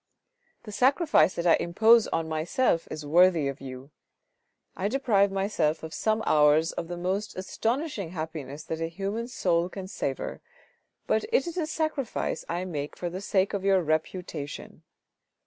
" The sacrifice that I impose on myself is worthy of you. I deprive myself of some hours of the most astonishing happiness that a human soul can savour, but it is a sacrifice I make for the sake of your reputation.